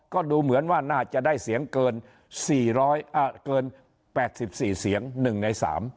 ก็ดูเหมือนว่าน่าจะได้เสียงเกิน๘๔เสียง๑ใน๓